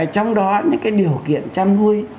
trong đó những cái điều kiện chăn nuôi